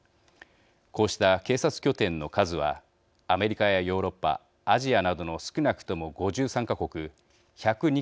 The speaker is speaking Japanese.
こうした警察拠点の数はアメリカやヨーロッパアジアなどの少なくとも５３か国１０２か所に上るとされています。